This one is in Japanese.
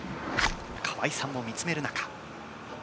河合さんも見つめる中。